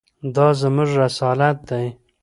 دا زموږ رسالت دی.